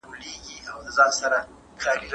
څېړونکي وویل چې ساینس له موږ سره مرسته کوي.